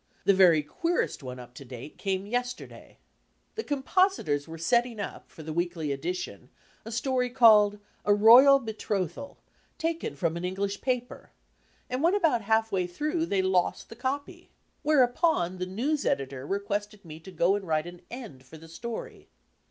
The very queerest one up to date came yesterday. The compositors were setting up, for the weekly edi tion, a story called 'A Royal Betrothal,' taken from an Eng lish paper, and when about half through they lost the copy. Whereupon the news editor requested me to go and write an 'end' for the story.